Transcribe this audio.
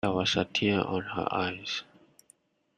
There was a tear on her eyes.